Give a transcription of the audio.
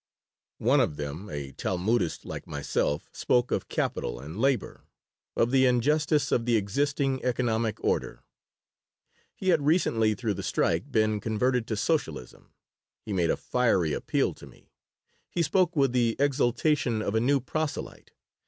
One of them, a Talmudist like myself, spoke of capital and labor, of the injustice of the existing economic order. He had recently, through the strike, been converted to Socialism. He made a fiery appeal to me. He spoke with the exaltation of a new proselyte.